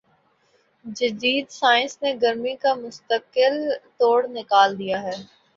جدید سائنس نے گرمی کا مستقل توڑ نکال دیا ہے